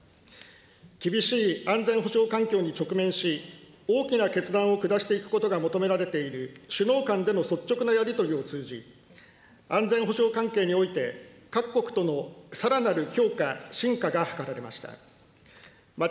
厳しい安全保障環境に直面し、大きな決断を下していくことが求められている首脳間での率直なやり取りを通じ、安全保障関係において、各国とのさらなる強化・深化が図られました。